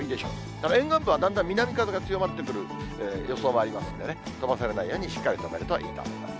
ただ沿岸部はだんだん南風が強まってくる予想もありますんでね、飛ばされないように、しっかり留めるといいと思います。